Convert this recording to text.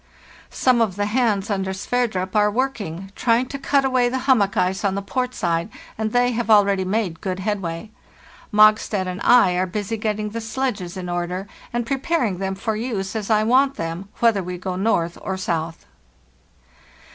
"Some of the hands, under Sverdrup, are working, trying to cut away the hummock ice on the port side, and they have already made good headway. Mogstad and I are busy getting the sledges in order, and preparing them for use as I want them, whether we go north or south.